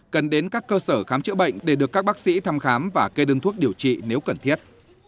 cần đến các cơ sở khám chữa bệnh để được các bác sĩ thăm khám và kê đơn thuốc điều trị nếu cần thiết